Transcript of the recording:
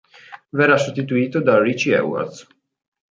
Verrà sostituito da Richie Edwards.